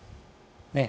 「ねえ？」